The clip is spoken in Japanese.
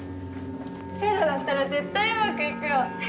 聖羅だったら絶対うまくいくよ。